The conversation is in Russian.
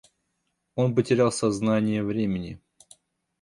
Он потерял сознание времени.